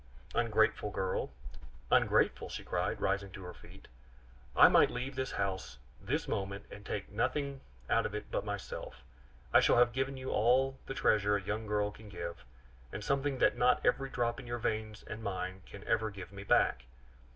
"Ungrateful girl!" "Ungrateful?" she cried, rising to her feet. "I might leave this house this moment and take nothing out of it but myself. I shall have given you all the treasures a young girl can give, and something that not every drop in your veins and mine can ever give me back.